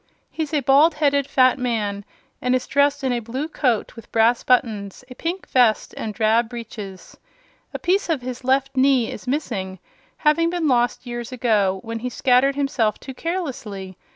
He's a bald headed fat man and is dressed in a blue coat with brass buttons, a pink vest and drab breeches. A piece of his left knee is missing, having been lost years ago when he scattered himself too carelessly.